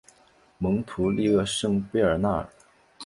蒙图利厄圣贝尔纳尔。